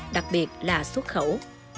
đặc biệt là xuất khẩu